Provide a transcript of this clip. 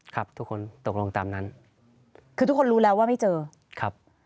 ครับทุกคนตกลงตามนั้นคือทุกคนรู้แล้วว่าไม่เจอครับ